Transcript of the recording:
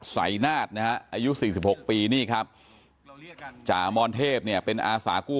สายนาฏนะฮะอายุ๔๖ปีนี่ครับจ่ามรเทพเนี่ยเป็นอาสากู้